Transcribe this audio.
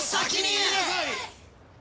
言いなさい！